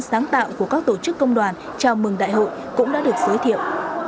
sáng tạo của các tổ chức công đoàn chào mừng đại hội cũng đã được giới thiệu